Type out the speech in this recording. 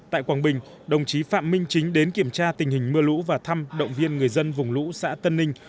tại quảng bình đồng chí phạm minh chính đến kiểm tra tình hình mưa lũ và thăm động viên người dân vùng lũ xã tân ninh